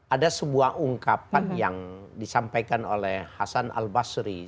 ada sebuah ungkapan yang disampaikan oleh hasan al basri